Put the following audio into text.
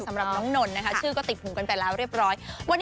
สำหรับน้องนนทนะคะชื่อก็ติดหูกันไปแล้วเรียบร้อย